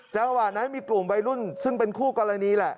จังหวะนั้นมีกลุ่มวัยรุ่นซึ่งเป็นคู่กรณีแหละ